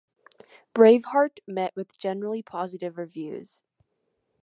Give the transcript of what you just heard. "Braveheart" met with generally positive reviews.